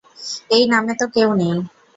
এই নামে তো কেউ নেই।